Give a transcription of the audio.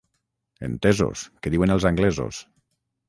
Entesos, que diuen els anglesos